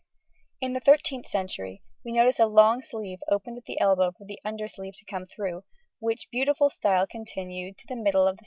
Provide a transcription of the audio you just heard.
In the 13th century we notice a long sleeve opened at the elbow for the under sleeve to come through, which beautiful style continued to the middle of the 17th century.